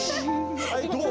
はいどう？